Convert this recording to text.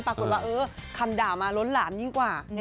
ปรากฏว่าเออคำด่ามาล้นหลามยิ่งกว่า